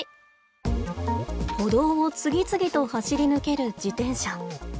歩道を次々と走り抜ける自転車。